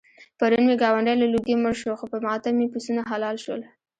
پرون مې ګاونډی له لوږې مړ شو، خو په ماتم یې پسونه حلال شول.